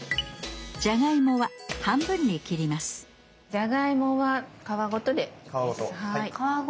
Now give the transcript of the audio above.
じゃがいもは皮ごとでいいです。